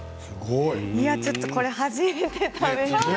いやちょっとこれ初めて食べる。